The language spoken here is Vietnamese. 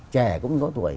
trẻ cũng có tuổi